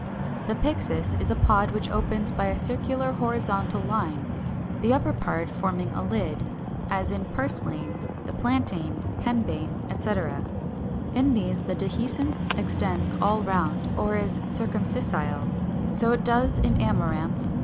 ] 376. =The Pyxis= is a pod which opens by a circular horizontal line, the upper part forming a lid, as in Purslane (Fig. 404), the Plantain, Henbane, etc. In these the dehiscence extends all round, or is circumscissile. So it does in Amaranth (Fig.